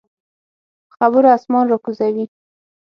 په خبرو اسمان راکوزوي.